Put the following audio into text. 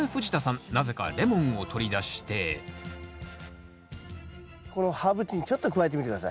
なぜかレモンを取り出してこのハーブティーにちょっと加えてみて下さい。